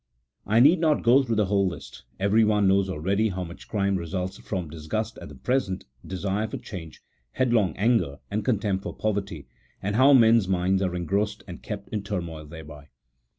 I need not go through the whole list, everyone knows already how much crime results from dis gust at the present — desire for change, headlong anger, and contempt for poverty — and how men's minds are engrossed and kept in turmoil thereby.